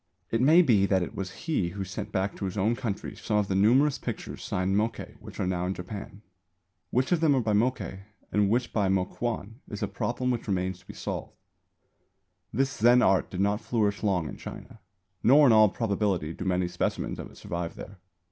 It may be that it was he who sent back to his own country some of the numerous pictures signed Mokkei which are now in Japan. Which of them are by Mokkei and which by Mokuan is a problem which remains to be solved. This Zen art did not flourish long in China, nor in all probability do many specimens of it survive there.